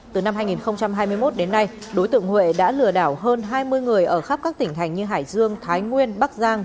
từ năm hai nghìn hai mươi một đến nay đối tượng huệ đã lừa đảo hơn hai mươi người ở khắp các tỉnh thành như hải dương thái nguyên bắc giang